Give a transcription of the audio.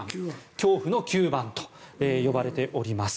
恐怖の９番と呼ばれております。